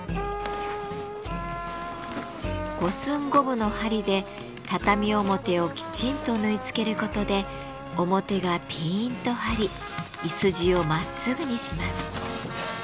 五寸五分の針で畳表をきちんと縫い付けることで表がピーンと張りいすじをまっすぐにします。